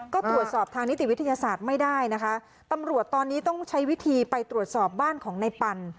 ก็ตรวจสอบทางนิติวิทยาศาสตร์ไม่ได้นะคะตำรวจตอนนี้ต้องใช้วิธีไปตรวจสอบบ้านของในปัน